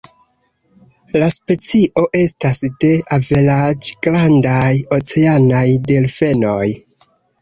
La specio estas de averaĝ-grandaj oceanaj delfenoj.